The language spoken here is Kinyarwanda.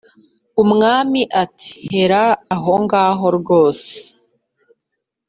umwami ati"hera ahongaho rwose"